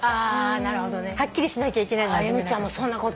なるほどね。はっきりしなきゃいけないのなじめなかった。